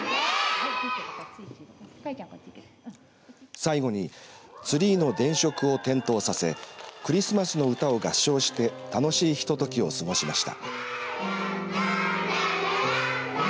最後にツリーの電飾を点灯させクリスマスの歌を合唱して楽しいひとときを過ごしました。